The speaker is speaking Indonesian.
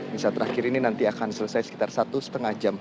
misa terakhir ini nanti akan selesai sekitar satu lima jam